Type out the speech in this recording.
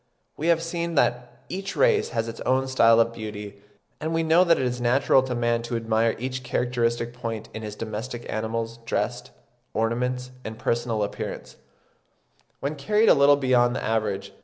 We have seen that each race has its own style of beauty, and we know that it is natural to man to admire each characteristic point in his domestic animals, dress, ornaments, and personal appearance, when carried a little beyond the average.